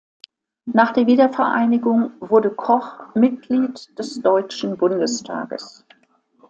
Nach der Wiedervereinigung wurde Koch Mitglied des Deutschen Bundestages.